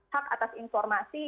hak atas informasi